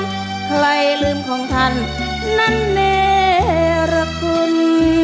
ใครลืมของท่านนั้นเนรคุณ